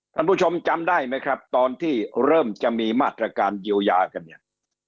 ท่านผู้ชมจำได้ไหมครับตอนที่เริ่มจะมีมาตรการเยียวยากันเนี่ย